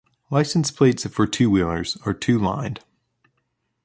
License plates for two-wheelers are two-lined.